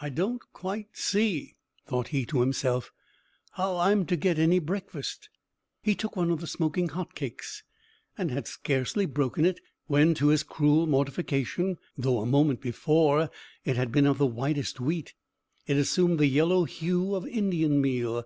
"I don't quite see," thought he to himself, "how I am to get any breakfast!" He took one of the smoking hot cakes, and had scarcely broken it, when, to his cruel mortification, though, a moment before, it had been of the whitest wheat, it assumed the yellow hue of Indian meal.